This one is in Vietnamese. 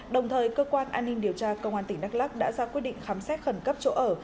đồng thời cơ quan an ninh điều tra công an tỉnh đắk lắc đã ra quyết định khám xét khẩn cấp chỗ ở